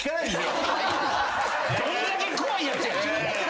どんだけ怖いやつや。